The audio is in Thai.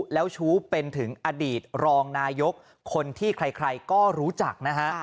แล้วชู้เป็นถึงอดีตรองนายกคนที่ใครก็รู้จักนะฮะ